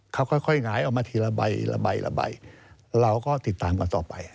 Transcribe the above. ขับค่อยหลายเอามาทีละใบหลาย